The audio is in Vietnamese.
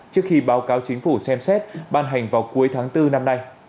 trước khi báo cáo chính phủ xem xét ban hành vào cuối tháng bốn năm nay